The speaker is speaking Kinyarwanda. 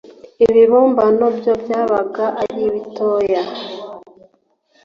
Ibibumbano byo byabaga ari bitoya